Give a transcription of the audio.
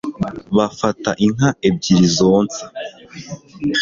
bafata inka ebyiri zonsa